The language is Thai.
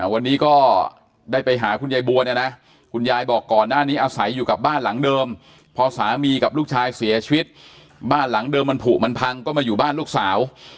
วันนี้ก็ได้ไปหาคุณยายบัวเนี่ยนะคุณยายบอกก่อนหน้านี้อาศัยอยู่กับบ้านหลังเดิมพอสามีกับลูกชายเสียชีวิตบ้านหลังเดิมมันผูกมันพังก็มาอยู่บ้านลูกสาว